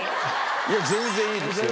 いや全然いいですよ。